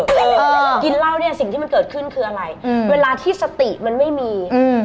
และกินเหล้าสิ่งที่เกิดขึ้นคืออะไรเวลาที่สติมันไม่มี